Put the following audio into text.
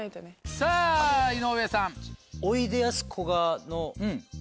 さぁ井上さん。